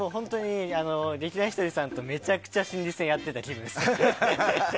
劇団ひとりさんとめちゃくちゃ心理戦やってた気分です。